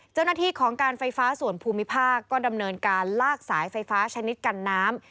เจ้าหน้าที่ของการไฟฟ้าส่วนภูมิภาคก็ดำเนินการลากสายไฟฟ้าชนิดกันน้ำ